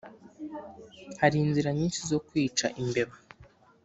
hari inzira nyinshi zo kwica imbeba